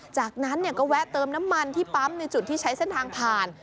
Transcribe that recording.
จากนั้นก็แวะเติมน้ำมันที่ปั๊มในจุดที่ใช้เส้นทางผ่าน